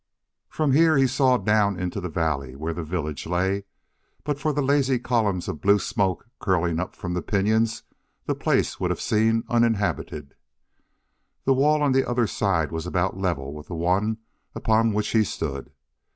From here he saw down into the valley where the village lay. But for the lazy columns of blue smoke curling up from the pinyons the place would have seemed uninhabited. The wall on the other side was about level with the one upon which he stood.